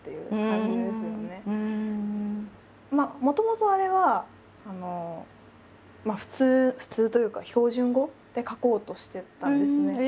もともとあれは普通普通というか標準語で書こうとしてたんですね。